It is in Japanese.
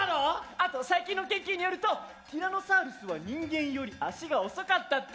あと最近の研究によるとティラノサウルスは人間より足が遅かったって。